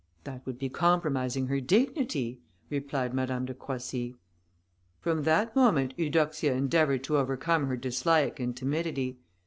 "That would be compromising her dignity," replied Madame de Croissy. From that moment Eudoxia endeavoured to overcome her dislike and timidity.